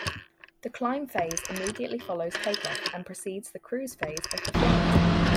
The climb phase immediately follows take-off and precedes the cruise phase of the flight.